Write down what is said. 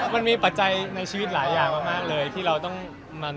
มันมีปัจจัยในชีวิตหลายอย่างมากเลยที่เราต้องให้ชัวร์จริงครับผม